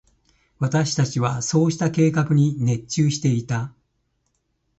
私達はそうした計画に熱中していた。